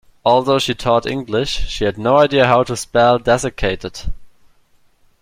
Although she taught English, she had no idea how to spell desiccated.